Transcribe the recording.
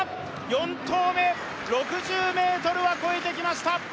４投目６０ｍは越えてきました